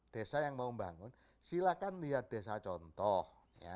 desa yang mau membangun silahkan lihat desa contoh